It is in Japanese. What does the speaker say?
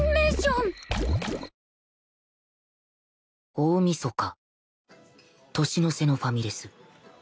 大みそか年の瀬のファミレス